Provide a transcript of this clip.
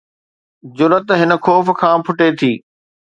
جرئت هن خوف کان ڦٽي ٿي.